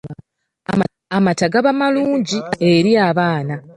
Amata gaba malungi eri abaana.